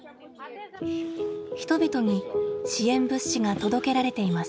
人々に支援物資が届けられています。